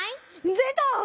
でた！